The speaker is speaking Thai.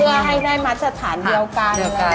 เพื่อให้ได้มาตรฐานเดียวกัน